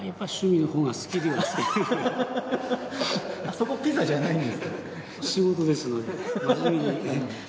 そこピザじゃないんですか？